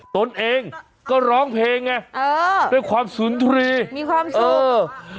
ตนเองก็ร้องเพลงไงเออด้วยความสุนทรีย์มีความสุข